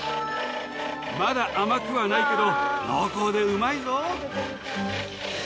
まだ甘くはないけど濃厚でうまいぞ。